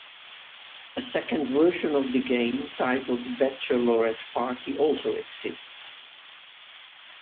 A second version of the game, titled Bachelorette Party, also exists.